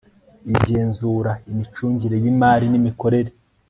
igenzura imicungire y imari n imikorere